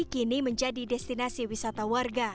kini menjadi destinasi wisata warga